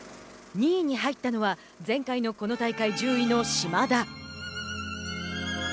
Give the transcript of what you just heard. ２位に入ったのは前回のこの大会１０位の島田。